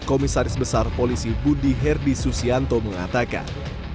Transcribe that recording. komisaris besar polisi budi herdi susianto mengatakan